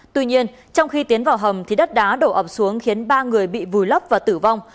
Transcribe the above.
tuy nhiên trong khi tiến vào hầm thì đất đá đổ ập xuống khiến ba người bị vùi lấp và tử vong